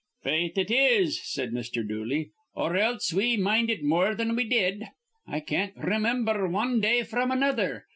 "Faith, it is," said Mr. Dooley, "or else we mind it more thin we did. I can't remimber wan day fr'm another.